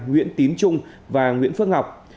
nguyễn tím trung và nguyễn phước ngọc